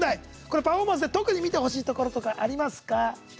パフォーマンスで特に見てほしいところとかありますか？